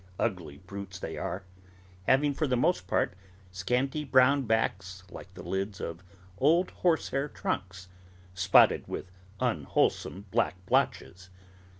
Ugly brutes they are; having, for the most part, scanty brown backs, like the lids of old horsehair trunks: spotted with unwholesome black blotches.